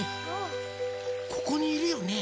ここにいるよね？